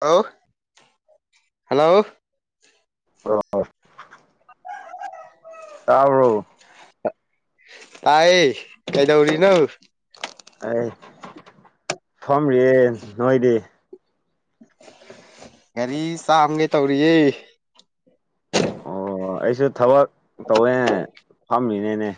hello hello ꯑ ꯇꯥꯎꯔꯣ ꯇꯥꯏ ꯀꯩꯗꯧꯔꯤꯅ ꯑꯩ ꯐꯝꯔꯤꯌꯦꯦ ꯅꯣꯏꯗꯤ ꯒꯥꯔꯤ ꯆꯥꯝꯒꯦ ꯇꯧꯔꯤꯌꯦ ꯑꯣ ꯑꯩꯁꯨ ꯊꯕꯛ ꯇꯧꯋꯦ ꯐꯝꯃꯤꯅꯦꯅꯦ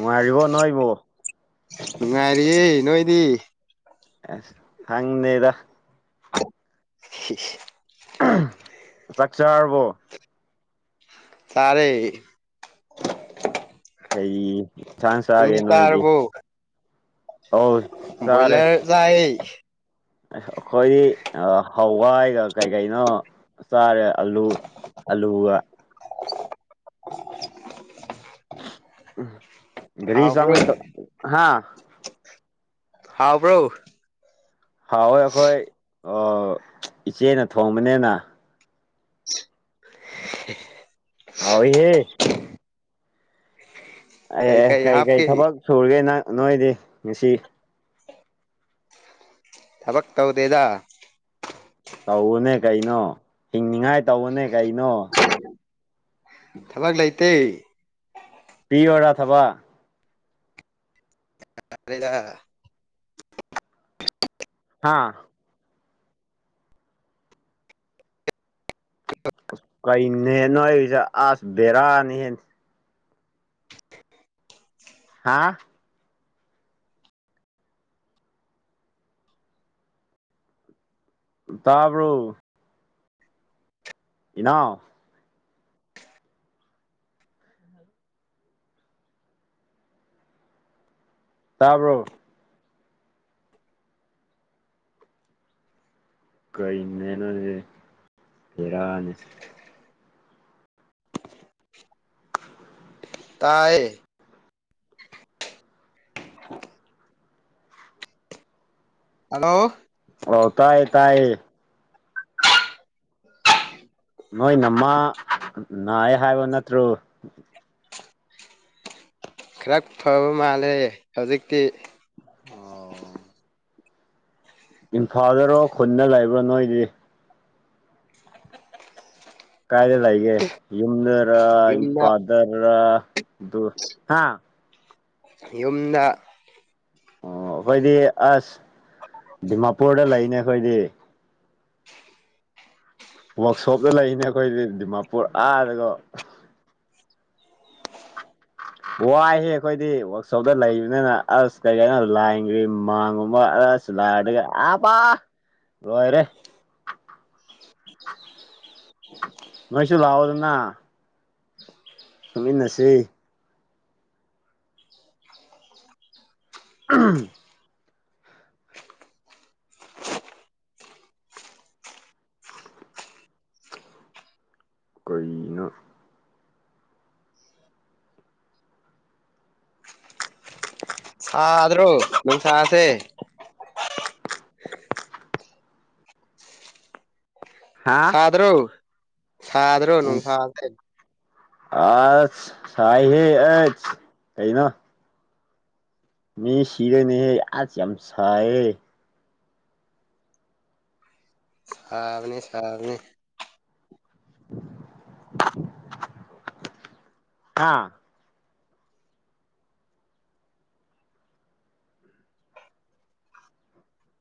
ꯅꯥꯏꯔꯤꯕ ꯅꯣꯏꯔꯤꯕ ꯅꯨꯡ ꯉꯥꯏꯔꯤꯌꯦꯦ ꯅꯣꯏꯗꯤ ꯑꯁ ꯍꯪ ꯅꯗ [unintelligible] ꯆꯆꯥꯥꯔꯕꯨꯣ ꯇꯔꯦ ꯀꯩ ꯏꯟꯁꯥꯡ ꯍꯨꯡ ꯆꯥꯒꯦ ꯅꯣꯏꯗꯤ ꯇꯔꯕꯣ ꯑꯧ ꯆꯥꯔꯦ ꯣꯌꯂꯔ ꯆꯥꯏ ꯑꯩꯈꯣꯏꯗꯤ ꯍꯋꯥꯏꯒ ꯀꯩ ꯀꯩꯅꯣ ꯆꯥꯔꯦ ꯑꯂꯨ ꯑꯂꯕ ꯔꯤꯁ ꯍꯥꯎꯕ꯭ꯔꯣ ꯍꯥꯥ ꯍꯥꯎꯕ꯭ꯔꯣ ꯍꯥꯎꯋꯣꯏ ꯑꯩꯈꯣꯏ ꯏꯆꯦꯅ ꯊꯣꯡꯕꯅꯤꯅ ꯑꯥꯎꯍꯦ ꯑꯦ ꯀꯩ ꯑꯦ ꯀꯩ ꯀꯔꯤ ꯀꯔꯤ ꯍꯥꯞꯀꯦ ꯊꯕꯛ ꯁꯨꯔꯒꯦ ꯅꯪ ꯅꯣꯏꯗꯤ ꯉꯁꯤ ꯊꯕꯛ ꯇꯧꯗꯦꯗ ꯇꯧꯕꯅꯦ ꯀꯩꯅꯣ ꯍꯤꯡꯅꯤꯉꯥꯏ ꯇꯧꯕꯅꯦ ꯀꯩꯅꯣ ꯊꯕꯥꯛ ꯂꯥꯏꯇꯩ ꯄꯤ ꯑꯣꯔ ꯊꯕ ꯐꯔꯦꯗ ꯍꯥꯥ ꯀꯩꯅꯦ ꯅꯁ ꯑꯁ ꯕꯔꯥꯅꯤꯍꯦ ꯍꯥꯥ ꯇꯥꯕ꯭ꯔꯣ ꯏꯅ ꯇꯥꯕ꯭ꯔꯣ ꯀ ꯃꯅꯅꯦ ꯐꯔꯅꯦ [unintelligible] ꯇꯌꯦ ꯍꯜꯂꯣ ꯑꯣ ꯇꯥꯏ ꯇꯥꯏ ꯅꯣꯏ ꯅꯃꯥ ꯅꯥꯑ ꯍꯥꯏꯕ ꯅꯠꯇ꯭ꯔꯣ ꯈꯔ ꯐꯕ ꯃꯥꯜꯂꯦ ꯍꯧꯖꯤꯛꯇꯤ ꯑꯣ ꯏꯝꯐꯥꯜꯗꯔꯣ ꯈꯨꯟꯗ ꯂꯩꯕ꯭ꯔꯣ ꯅꯣꯏꯗꯤ ꯀꯥꯏꯗꯂ ꯑꯩꯒꯦ ꯌꯝꯗꯔ ꯌꯨꯝꯗ ꯏꯄꯥꯗꯔ ꯍꯥꯥ ꯌꯨꯝꯗ ꯑꯣ ꯑꯩꯈꯣꯏꯗꯤ ꯑꯁ ꯗꯤꯃꯥꯄꯨꯔꯗ ꯂꯩꯅꯦ ꯑꯩꯈꯣꯏꯗꯤ ꯋꯥꯛꯛꯁꯣꯞꯇ ꯂꯩꯅꯦ ꯑꯩꯈꯣꯏꯗꯤ ꯗꯤꯃꯥꯄꯨꯔ ꯑꯥꯗꯒ [unintelligible] ꯋꯥꯏꯍꯦ ꯑꯩꯈꯣꯏꯗꯤ ꯋꯥꯛꯁꯣꯞꯇ ꯂꯩꯕꯅꯤꯅ ꯑꯁ ꯀꯔꯤ ꯀꯅꯣ ꯂꯥꯏꯈ꯭ꯔꯤ ꯃꯥꯡꯒꯨꯝꯕ ꯑꯁ ꯂꯥꯏꯒ ꯑ ꯄꯥ ꯂꯣꯏꯔꯦ [unintelligible] ꯉꯩꯁꯨ ꯂꯥꯎꯗꯅ ꯁꯨꯞꯃꯤꯟꯅꯁꯤ ꯎꯝ ꯀꯩꯅꯣ ꯁ꯭ꯔꯣ ꯅ ꯁꯥꯥꯁꯦ ꯍꯥꯥ ꯁꯥꯗ꯭ꯔꯣ ꯁꯥꯗ꯭ꯔꯣꯅ ꯁꯥꯗ꯭ꯔ ꯑꯁ ꯁꯥꯏ ꯍꯦ ꯀꯅꯣ ꯃꯤ ꯁꯤꯗꯅꯦ ꯑꯖ ꯌꯥꯝꯁꯦ ꯁꯥꯕꯅꯤ ꯁꯥꯕꯅꯤ ꯍꯥꯥ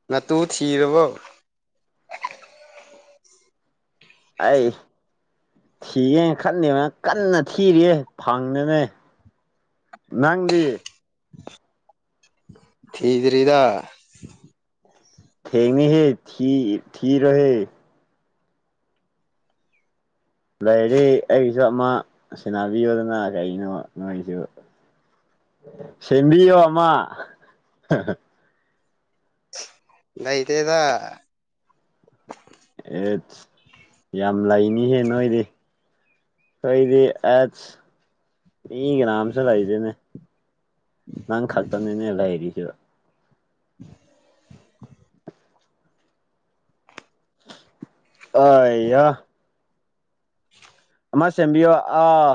ꯅ ꯇꯨ ꯊꯤꯗꯕ ꯑꯩ ꯊꯤꯒꯦ ꯈꯟꯗꯦꯕ ꯀꯟꯅ ꯊꯤꯔꯤꯌꯦ ꯐꯪꯅꯅꯦ ꯅꯪꯗꯤ ꯊꯗꯔꯤꯗ ꯊꯦꯡꯅꯤ ꯍꯦ ꯊ ꯊꯔ ꯍꯦ ꯂꯥꯏꯗꯤ ꯑꯩꯒꯤꯁꯨ ꯑꯃ ꯁꯦꯟꯅꯕꯤꯌꯣꯗꯅ ꯀꯩꯅꯣ ꯅꯣꯏꯁꯨ ꯁꯦꯝꯕꯤꯣ ꯑꯃ ꯅ ꯏꯇꯩꯗ ꯑꯦꯠ ꯌꯥꯝ ꯂꯩꯅꯤꯍꯦ ꯅꯣꯏꯗꯤ ꯀꯗꯤ ꯑꯦ ꯏ ꯉ꯭ꯔꯝꯁ ꯂꯏꯗꯅꯦ ꯅꯪ ꯀꯥꯛꯄꯟꯦꯅꯦꯂ ꯍꯥꯏꯔꯤꯁꯤꯕ [unintelligible] ꯑ ꯑꯃ ꯁꯦꯝꯕꯤꯌꯣ ꯑꯥ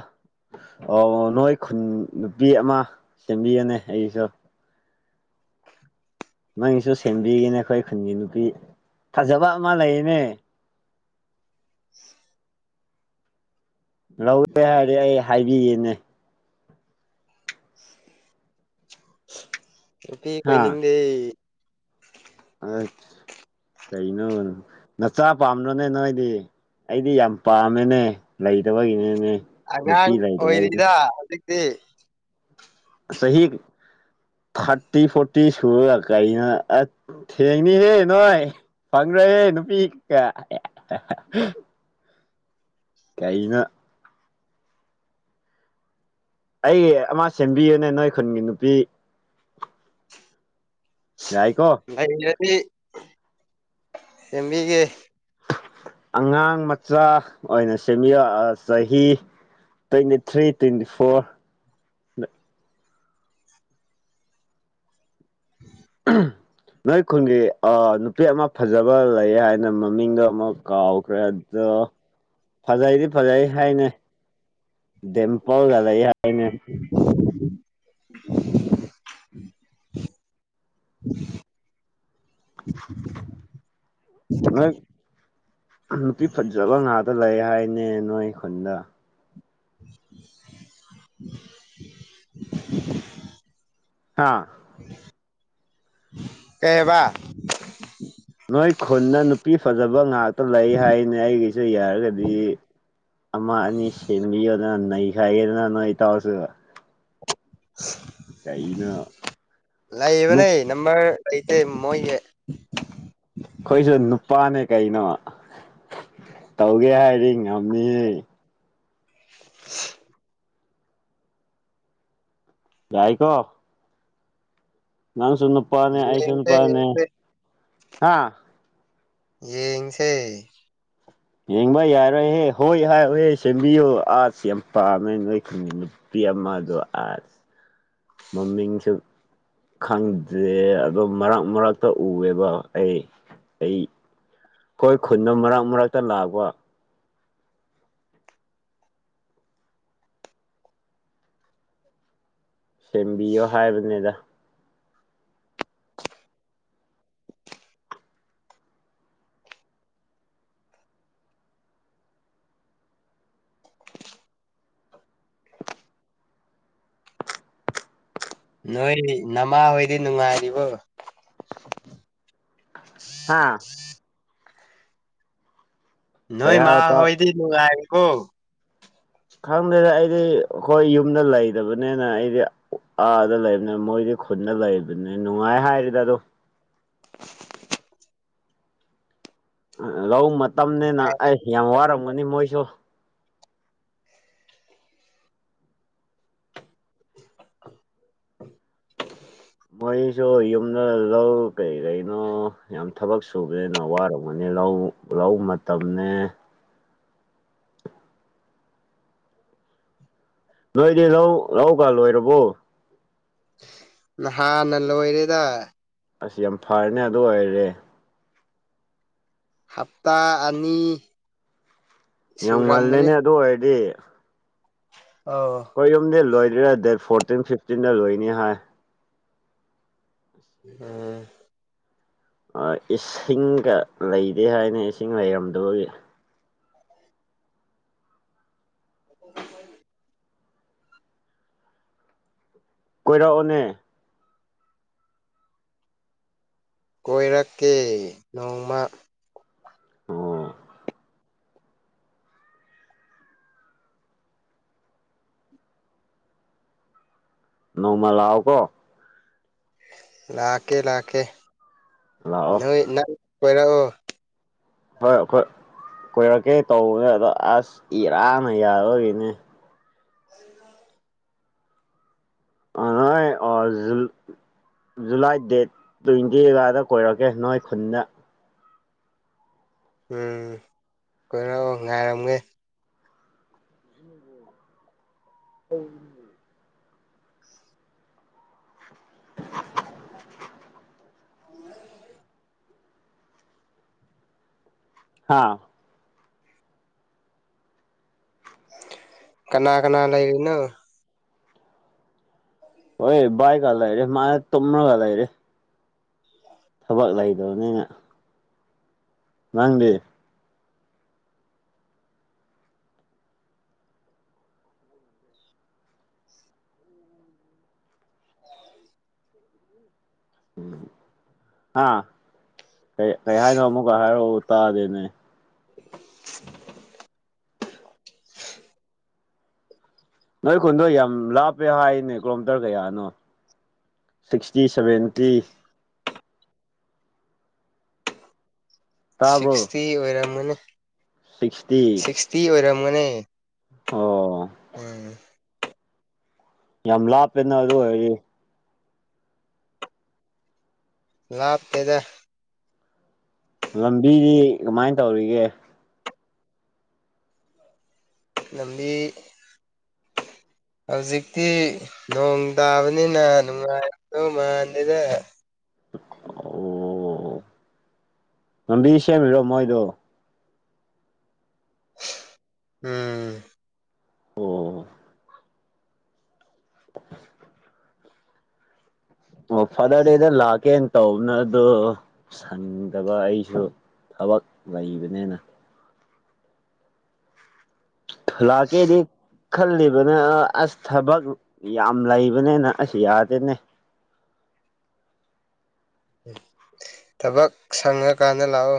ꯑꯣ ꯅꯣꯏ ꯈꯨꯟ ꯅꯨꯄꯤ ꯑꯃ ꯁꯦꯝꯕꯤꯔꯅꯦ ꯑꯩꯁꯨ ꯅꯪꯁꯨ ꯁꯦꯝꯕꯤꯒꯅꯦ ꯑꯩꯈꯣꯏ ꯈꯨꯟꯒꯤ ꯅꯨꯄꯤ ꯐꯖꯕ ꯑꯃ ꯂꯩꯌꯦꯅꯦ ꯂꯧꯋꯦ ꯍꯥꯏꯔꯗꯤ ꯑꯩ ꯍꯥꯏꯕꯤꯌꯦꯦꯅꯦ [unintelligible] ꯑꯗꯤꯤ ꯀꯅꯤꯡꯗꯤ ꯑ ꯀꯩꯅꯣ ꯅꯆꯥ ꯄꯥꯝꯝꯕ꯭ꯔꯣꯅꯦ ꯅꯣꯏꯗꯤ ꯑꯩꯗꯤ ꯌꯥꯝ ꯄꯥꯝꯃꯦꯅꯦ ꯂꯩꯇꯕꯒꯤꯅꯅꯦ ꯑꯉꯥꯡ ꯑꯣꯏꯔꯤꯗ ꯍꯧꯖꯤꯛꯇꯤ ꯁꯍꯤ ꯐꯥꯔꯇꯤ ꯐꯣꯔꯇꯤ ꯁꯨ ꯀꯥꯏꯅ ꯑ ꯊꯦꯡꯅꯤꯍꯦ ꯅꯣꯏ ꯐꯪꯗ꯭ꯔꯣꯏꯍꯦ ꯅꯨꯄꯤ ꯀꯌꯥ ꯀꯩꯩꯅ ꯑꯩ ꯑꯃ ꯁꯦꯝꯕꯤꯌꯨꯅꯦ ꯅꯣꯏ ꯈꯨꯟꯒꯤ ꯅꯨꯄꯤ ꯌꯥꯏꯀꯣ ꯁꯦꯝꯦꯝꯕꯤꯒꯤ ꯑꯉꯥꯡ ꯃꯆꯥ ꯑꯣꯏꯅ ꯁꯦꯝꯕꯤꯔꯛ ꯆꯍꯤ ꯇ꯭ꯋꯦꯟꯇꯤ ꯊ꯭ꯔꯤ ꯇ꯭ꯋꯦꯟꯇꯤ ꯐꯣꯔ [unintelligible] ꯅꯣꯏ ꯈꯨꯟꯒꯤ ꯑ ꯅꯨꯄꯤ ꯑꯃ ꯐꯖꯕ ꯂꯩ ꯍꯥꯏꯅ ꯃꯃꯤꯡꯗꯣ ꯑꯃꯨ ꯀꯥꯎꯈ꯭ꯔꯦ ꯑꯣ ꯐꯖꯩꯗꯤ ꯐꯖꯩ ꯍꯥꯏꯅ ꯗꯦꯝꯄꯜꯒꯂ ꯍꯥꯏꯅꯦ [unintelligible] ꯅꯣꯏ ꯍ ꯅꯨꯄꯤ ꯐꯖꯕ ꯉꯥꯛꯇ ꯂꯩ ꯍꯥꯏꯅꯦ ꯅꯣꯏ ꯈꯨꯟꯗ [inaudible] ꯑꯥ ꯀꯍꯕꯥ ꯈꯨꯨꯟꯅ ꯅꯨꯄꯤ ꯐꯖꯕ ꯉꯍꯥꯛ ꯂꯩ ꯍꯥꯏꯅꯦ ꯑꯩꯒꯤꯁꯨ ꯌꯥꯔꯒꯗꯤ ꯑꯃ ꯑꯅꯤ ꯁꯦꯝꯕꯤꯌꯣꯅ ꯅ ꯍꯥꯏꯦꯗꯅ ꯅꯣꯣꯏ ꯇꯧꯔꯁꯨ ꯂꯕ ꯅ ꯑꯩ ꯅꯝꯝꯕꯔ ꯁꯤꯗꯤ ꯃꯣꯏ ꯑꯩꯈꯣꯏꯁꯨ ꯅꯨꯄꯥꯅꯦ ꯀꯩꯅꯣ ꯇꯧꯒꯦ ꯍꯥꯏꯔꯤ ꯉꯝꯃꯤꯍꯦ [unintelligible] ꯌꯥꯏꯀꯣ ꯅꯪꯁꯨꯅ ꯄꯅꯦ ꯑꯩꯁꯨꯅ ꯌꯦꯡꯁꯦ ꯄꯅꯦ ꯌꯦꯡꯁꯦ ꯍꯥ ꯌꯦꯡꯁꯦ ꯌꯦꯡꯕ ꯌꯥꯔꯣꯏꯍꯦ ꯍꯣꯏ ꯍꯥꯏ ꯍꯍꯦ ꯁꯦꯝꯕꯤꯌꯨ ꯑꯥꯁ ꯌꯥꯝ ꯄꯥꯝꯃꯦ ꯅꯣꯏ ꯈꯪ ꯅꯨꯄꯤ ꯑꯃꯗꯣ ꯑꯁ ꯃꯃꯤꯡꯁꯨ ꯈꯪꯗꯦ ꯑꯗꯣ ꯃꯔꯛ ꯃꯔꯛꯇ ꯎꯑꯦꯕ ꯑꯩ ꯑꯩ ꯑꯩꯈꯣꯏ ꯈꯨꯟꯗꯣ ꯃꯔꯛ ꯃꯔꯛꯇ ꯂꯥꯛꯑꯕ ꯁꯦꯝꯕꯤꯌꯣ ꯍꯥꯏꯕꯅꯤꯗ ꯅꯣꯏ ꯅꯃꯥ ꯍꯣꯏꯗꯤ ꯅꯨꯡꯉꯥꯏꯔꯤꯕꯣ ꯍꯥ ꯀꯩ ꯅꯣꯏ ꯃꯥ ꯍꯥꯏꯕ ꯍꯗꯤꯅꯨꯡꯀꯣ ꯈꯪꯗꯦꯗ ꯑꯩꯗꯤ ꯑꯩꯈꯣꯏ ꯌꯨꯝꯗ ꯂꯩꯗꯕꯅꯤꯅ ꯑꯩꯗꯤ ꯑꯥꯗ ꯂꯩꯕꯅꯦ ꯃꯣꯏꯗꯤ ꯈꯨꯟꯅ ꯂꯩꯕꯅꯦ ꯅꯨꯡꯉꯥꯏ ꯍꯥꯏꯔꯤꯗ ꯑꯗꯨ ꯂꯧ ꯃꯇꯝꯅꯤꯅ ꯑꯩꯁ ꯌꯥꯝ ꯋꯥꯔꯝꯒꯅꯤ ꯃꯣꯏꯁꯨ ꯃꯣꯏꯁꯨ ꯌꯨꯝꯗ ꯂꯧ ꯀꯩ ꯀꯩꯅꯣ ꯌꯥꯝ ꯊꯕꯛ ꯁꯨꯕꯅꯤꯅ ꯋꯥꯔꯝꯒꯅꯤ ꯂꯧ ꯂꯧ ꯃꯇꯝꯅꯦ ꯅꯣꯏꯗꯤ ꯂꯍ ꯂꯍꯧꯀꯥ ꯂꯣꯏꯔꯕꯣ ꯍꯥꯟ ꯅ ꯂꯣꯏꯔꯦꯗ ꯑꯁ ꯌꯥꯝ ꯐꯔꯅꯦ ꯑꯗꯨ ꯑꯣꯏꯔꯦ ꯍꯞꯇꯥ ꯑꯅꯤ ꯌꯥꯝ ꯁꯨꯔꯝꯒꯅꯤ ꯉꯜꯂꯦꯅꯦ ꯑꯗꯨ ꯑꯣꯏꯔꯗꯤ ꯑꯧ ꯑꯩꯈꯣꯏ ꯌꯨꯝꯗ ꯂꯣꯏꯗꯣꯏꯔꯥ ꯗꯦꯠ ꯐꯣꯔꯇꯤꯟ ꯐꯤꯐꯇꯤꯟꯗ ꯂꯣꯏꯅꯤ ꯍꯥꯏ ꯎꯝ ꯏꯁꯤꯡꯒ ꯂꯩꯗꯦ ꯍꯥꯏꯅ ꯏꯁꯤꯡ ꯂꯩꯔꯝꯗꯕꯒꯤ ꯑꯣ ꯀꯣꯏꯔꯛꯑꯣꯅꯦ ꯀꯣꯏꯔꯛꯀꯦ ꯅꯣꯡꯃ ꯑꯣ ꯅꯣꯡꯃ ꯂꯥꯎ ꯀꯣ ꯂꯥꯛꯀꯦ ꯂꯥꯛꯀꯦ ꯂꯥꯛꯑꯣ ꯅꯣꯏ ꯅ ꯄꯣꯏꯔꯛꯑꯣ ꯍꯣꯏ ꯑꯩꯈꯣꯏ ꯀꯣꯏꯔꯛꯀꯦ ꯇꯧꯕꯅꯦ ꯑꯗꯣ ꯑꯁ ꯏꯔꯥꯡꯅ ꯌꯥꯔꯣꯏꯔꯤꯅꯦ ꯎ ꯑꯦ ꯑꯖ ꯖꯨꯂꯥꯏ ꯗꯦꯠ ꯇ꯭ꯋꯦꯟꯇꯤ ꯀꯗ ꯀꯣꯏꯔꯛꯀꯦ ꯅꯣꯏ ꯈꯨꯟꯗ ꯎꯝ ꯀꯣꯏꯔꯛꯑꯣ ꯉꯥꯏꯔꯝꯒꯦ ꯍ [unintelligible] ꯑ ꯍꯥꯥ ꯀꯅꯥ ꯀꯅꯥ ꯂꯩꯥꯏꯔꯤꯅꯣ ꯍ ꯕꯥ ꯀꯂ ꯔꯦ ꯃꯥꯥꯏ ꯇꯣꯅ ꯀꯂꯔꯦ ꯊꯕꯛ ꯂꯩꯗꯕꯅꯤꯅ ꯅꯪꯗꯤ ꯎ ꯍꯥ ꯀ ꯀꯩ ꯍꯥꯏꯥꯏꯗ ꯑꯃꯨꯛ ꯑꯍꯔ ꯄ ꯇꯥꯗꯅꯦ [unintelligible] ꯅꯣꯏ ꯈꯨꯟꯗꯣ ꯌꯥꯝ ꯂꯥꯞꯄꯦ ꯍꯥꯏꯅꯦ ꯀꯤꯂꯣꯃꯤꯇꯔ ꯀꯌꯥꯅꯣ ꯁꯤꯛꯁꯇꯤ ꯁꯚꯦꯟꯇꯤ ꯇꯥꯕ꯭ꯔꯣ ꯁꯤꯛꯁꯇꯤ ꯑꯣꯏꯔꯝꯒꯅꯦ ꯁꯤꯛꯁꯇꯤ ꯁꯤꯛꯁꯇꯤ ꯑꯣꯏꯔꯝꯒꯅꯤ ꯑꯣ ꯎꯝ ꯌꯥꯝ ꯂꯥꯞꯄꯦꯅ ꯑꯗꯨ ꯑꯣꯏꯔꯗꯤ ꯂꯥꯞꯇꯦꯗ ꯂꯝꯕꯤꯗꯤ ꯀꯃꯥꯏꯅ ꯇꯧꯔꯤꯒꯦ ꯂꯝꯕꯤ ꯍꯧꯖꯤꯛꯇꯤ ꯅꯣꯡ ꯇꯥꯕꯅꯤꯅ ꯅꯨꯡꯉꯥꯏꯗꯧ ꯃꯥꯟꯗꯦꯗ ꯑꯣ ꯂꯝꯕꯤ ꯁꯦꯝꯃꯤꯔꯣ ꯃꯣꯏꯗꯣ ꯎꯝ ꯑꯣ [unintelligible] ꯑꯣ ꯐꯥꯗꫪꯗꯦꯗ ꯂꯥꯛꯀꯦ ꯇꯧꯕꯅꯤ ꯑꯗꯣ ꯁꯪꯗꯕ ꯑꯩꯁꯨ ꯊꯕꯛ ꯂꯩꯕꯅꯦꯅ ꯂꯥꯛꯀꯦꯗꯤ ꯈꯜꯂꯤꯕꯅꯦ ꯑꯁ ꯊꯕꯛ ꯌꯥꯝ ꯂꯩꯕꯅꯤꯅ ꯑꯁ ꯌꯥꯗꯦꯅꯦ ꯊꯕꯛ ꯁꯪꯉꯀꯥꯟꯗ ꯂꯥꯛꯑꯣ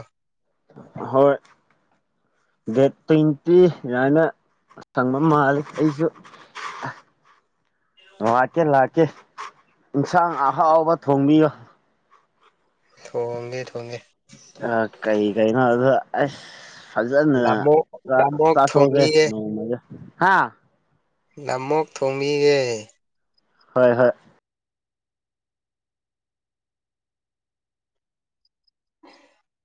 ꯍꯣꯏ ꯗꯦꯠ ꯇ꯭ꯋꯦꯟꯇꯤ ꯑꯗꯥꯏꯅ ꯁꯪꯕ ꯃꯥꯜꯂꯤ ꯑꯩꯁꯨ ꯑ ꯂꯥꯛꯀꯦ ꯂꯥꯛꯀꯦ ꯏꯟꯁꯥꯡ ꯑꯍꯥꯎꯕ ꯊꯣꯡꯕꯤꯌꯣ ꯊꯣꯡꯒꯦ ꯊꯣꯡꯒꯦ ꯑ ꯀꯩ ꯀꯩꯩꯅꫭ ꯑꯗꯨ ꯑꯁ ꯐꯖꯅ ꯂꯥꯃꯣꯛ ꯂꯥꯃꯣꯛ ꯆꯥꯊꫭꯛꯀꯦ ꯊꯣꯡꯕꯤꯒꯦ ꯅꫭꯡꯃꯗꯤ ꯍꯥ ꯅꯝꯃꫭꯛ ꯊꯣꯡꯕꯤꯒꯦ ꯍꯣꯏ ꯍꯣꯏ [unintelligible]